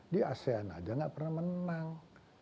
di asean aja gak pernah menang